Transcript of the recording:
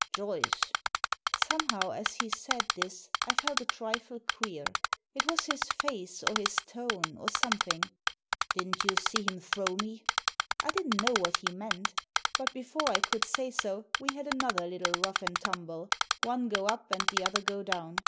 "Joyce!" Somehow, as he said this, I felt a trifle queer. It was his face, or his tone, or something. " Didn't you see him throw me ?" I didn't know what he meant But before I couH say so we had another little rough and tumble— one go up and the other go down.